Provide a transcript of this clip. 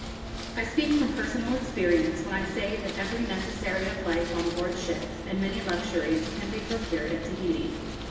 I speak from personal experience when I say that every necessary of life on board ship, and many luxuries, can be procured at Tahiti.